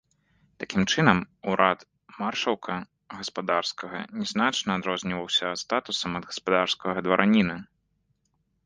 Такім чынам, урад маршалка гаспадарскага не значна адрозніваўся статусам ад гаспадарскага двараніна.